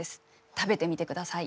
食べてみてください。